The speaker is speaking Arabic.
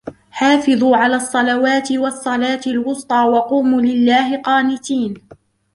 حافظوا على الصلوات والصلاة الوسطى وقوموا لله قانتين